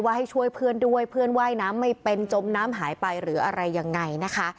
ให้ช่วยเพื่อนด้วยเพื่อนว่ายน้ำไม่เป็นจมน้ำหายไปหรืออะไรยังไงนะคะ